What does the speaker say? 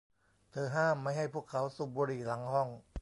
เธอห้ามไม่ให้พวกเขาสูบบุหรี่หลังห้อง